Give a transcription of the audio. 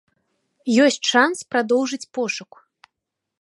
Ёсць шанс прадоўжыць пошук.